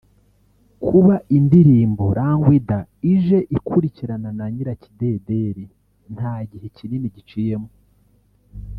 Kuba indirimbo ‘Rangwida’ije ikurikirana na ‘Nyirakidedeli’ nta gihe kinini giciyemo